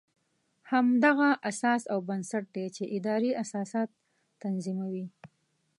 همدغه اساس او بنسټ دی چې ادارې اساسات تنظیموي.